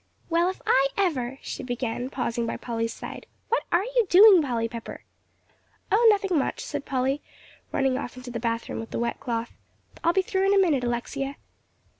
"Well, if I ever," she began, pausing by Polly's side. "What are you doing, Polly Pepper?" "Oh, nothing much," said Polly, running off into the bath room with the wet cloth; "I'll be through in a minute, Alexia."